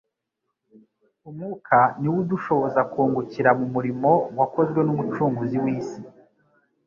Umwuka ni wo udushoboza kungukira mu murimo wakozwe n'Umucunguzi w'isi.